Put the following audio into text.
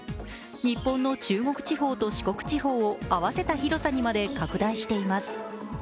日本の中国地方と四国地方を合わせた広さにまで拡大しています。